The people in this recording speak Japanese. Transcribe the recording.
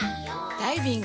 ダイビング。